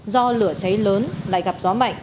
do lửa cháy lớn lại gặp gió mạnh